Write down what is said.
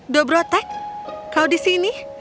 dobrotek kau di sini